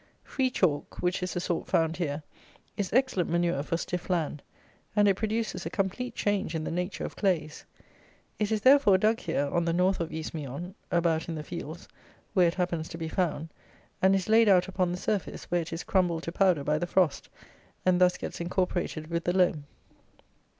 Free chalk (which is the sort found here) is excellent manure for stiff land, and it produces a complete change in the nature of clays. It is, therefore, dug here, on the North of East Meon, about in the fields, where it happens to be found, and is laid out upon the surface, where it is crumbled to powder by the frost, and thus gets incorporated with the loam.